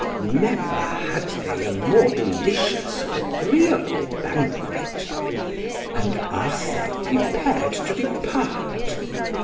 Never had they a more delicious or agreeable banquet. And Arthur prepared to depart.